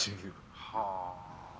はあ。